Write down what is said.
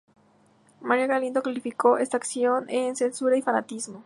María Galindo, calificó esta acción de "censura" y "fanatismo".